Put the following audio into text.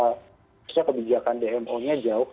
harusnya kebijakan dmo nya jauh